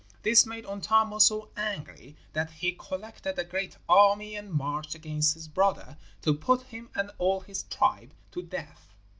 This made Untamo so angry that he collected a great army and marched against his brother to put him and all his tribe to death.